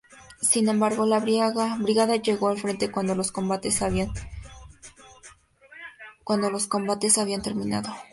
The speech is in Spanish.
Sin embargo, la brigada llegó al frente cuando los combates habían terminado.